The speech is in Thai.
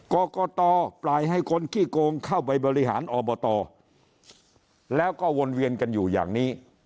กรกตปล่อยให้คนขี้โกงเข้าไปบริหารอบตแล้วก็วนเวียนกันอยู่อย่างนี้